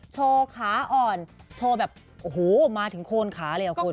โชว์ขาอ่อนโชว์แบบโอ้โหมาถึงโคนขาเลยอ่ะคุณ